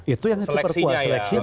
itu yang super puas